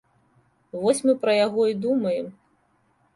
Вось мы пра яго і думаем.